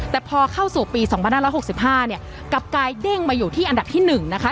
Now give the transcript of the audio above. แต่พอเข้าสู่ปี๒๕๖๕เนี่ยกลับกลายเด้งมาอยู่ที่อันดับที่๑นะคะ